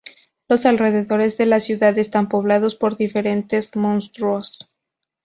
Los alrededores de la ciudad están poblados por diferentes monstruos.